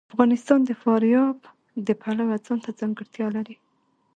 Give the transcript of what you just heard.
افغانستان د فاریاب د پلوه ځانته ځانګړتیا لري.